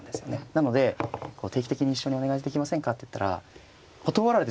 なので「定期的に一緒にお願いできませんか？」って言ったら断られてしまったことがあって。